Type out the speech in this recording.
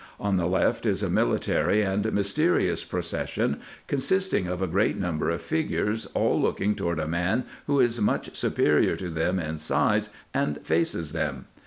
On the left is a military and mysterious procession, consisting of a great number of figures all looking toward a man who is much superior to them in size, and faces them.